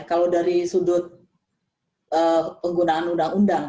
kalau dari sudut penggunaan undang undang